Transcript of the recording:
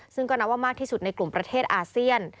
ซึ่งก็นับว่ามากที่สุดในกลุ่มประเทศอาเซียน